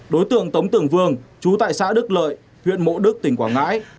đối tượng tống tưởng vương chú tại xã đức lợi huyện mộ đức tỉnh quảng ngãi